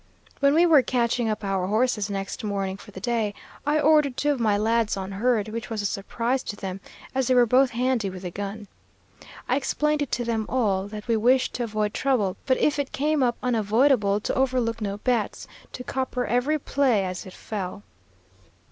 When we were catching up our horses next morning for the day, I ordered two of my lads on herd, which was a surprise to them, as they were both handy with a gun. I explained it to them all, that we wished to avoid trouble, but if it came up unavoidable, to overlook no bets to copper every play as it fell.